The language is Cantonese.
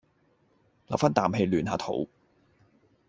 留返啖氣暖下肚